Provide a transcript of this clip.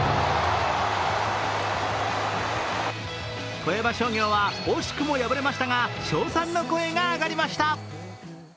富山商業は惜しくも敗れましたが称賛の声が上がりました。